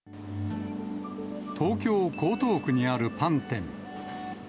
東京・江東区にあるパン店。